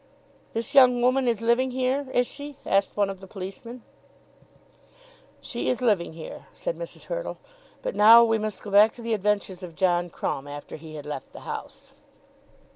"This young woman is living here; is she?" asked one of the policemen. "She is living here," said Mrs. Hurtle. But now we must go back to the adventures of John Crumb after he had left the house.